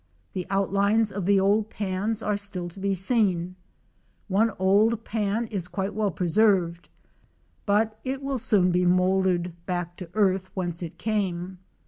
The outlines of the old pans are still to be seen, One old pan is quite well preserved, but it will soon be mouldered back to earth whence it came.